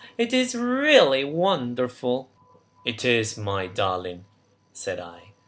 It is really wonderful!" "It is, my darling," said I.